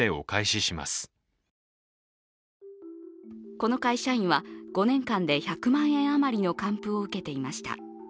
この会社員は５年間で１００万円余りの還付を受けていました。